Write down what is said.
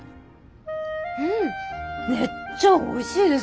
うんめっちゃおいしいです。